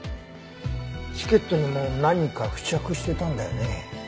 チケットにも何か付着してたんだよね？